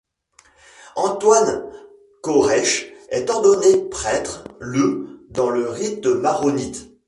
Antoine Khoraiche est ordonné prêtre le dans le rite maronite.